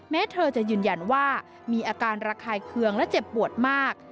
แม้เธอจะยืนยันว่ามีอาการระคายเคืองและเจ็บปวดมาก